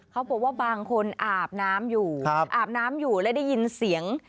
เขาบอกว่าบางคนอาบน้ำอยู่อาบน้ำอยู่และได้ยินเสียง